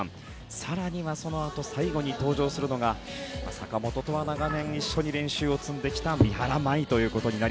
更に、最後に登場するのが坂本とは長年一緒に練習を積んできた三原舞依。